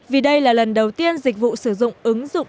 vì đây là lần đầu tiên dịch vụ sử dụng ứng dụng